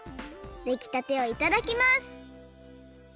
できたてをいただきます！